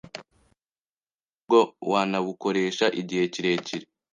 Ubu buryo bwo wanabukoresha igihe kirekire